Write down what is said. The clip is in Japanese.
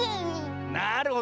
なるほど。